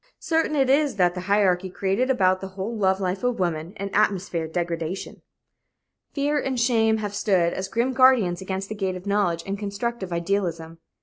Certain it is that the hierarchy created about the whole love life of woman an atmosphere of degradation. Fear and shame have stood as grim guardians against the gate of knowledge and constructive idealism.